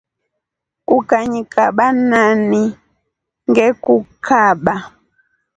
Ukanyikaba nani ngekukaba.